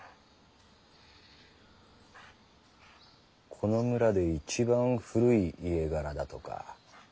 この村で一番古い家柄だとか。